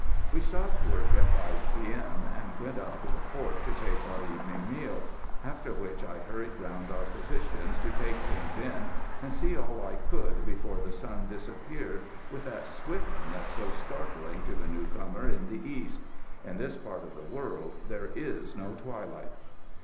We stopped work at 5 P.M., and went up to the fort to take our evening meal, after which I hurried round our positions to take things in, and see all I could before the sun disappeared with that swiftness so startling to the newcomer in the East. In this part of the world there is no twilight.